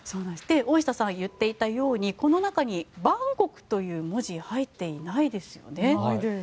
大下さんが言っていたようにこの中にバンコクという文字が入っていないですよね。